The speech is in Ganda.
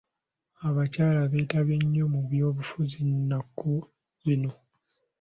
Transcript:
Abakyala beetabye nnyo mu byobufuzi nnaku zino.